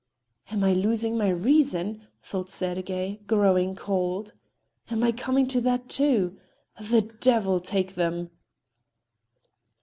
"Am I losing my reason?" thought Sergey, growing cold. "Am I coming to that, too? The devil take them!"